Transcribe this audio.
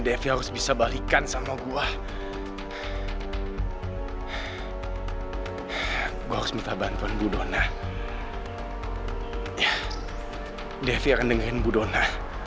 devi akan dengerin bu dona